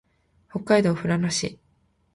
北海道富良野市